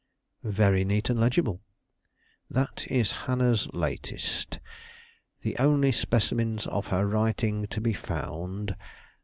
"Very neat and very legible." "That is Hannah's latest. The only specimens of her writing to be found.